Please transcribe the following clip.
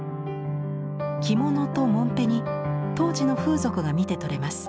着物とモンペに当時の風俗が見て取れます。